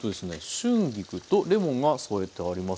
春菊とレモンが添えてあります。